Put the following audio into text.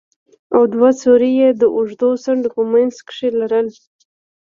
او دوه سوري يې د اوږدو څنډو په منځ کښې لرل.